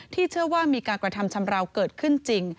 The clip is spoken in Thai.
เชื่อว่ามีการกระทำชำราวเกิดขึ้นจริง